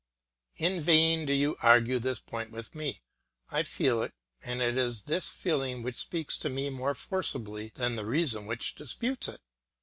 In vain do you argue this point with me; I feel it, and it is this feeling which speaks to me more forcibly than the reason which disputes it.